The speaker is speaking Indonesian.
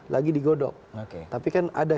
lagi digodok tapi kan ada